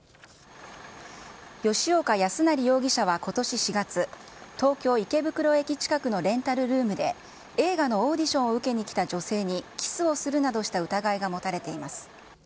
吉岡康成容疑者はことし４月、東京・池袋駅近くのレンタルルームで、映画のオーディションを受けに来た女性に、キスをするなどした疑いが持たれています。